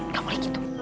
gak boleh gitu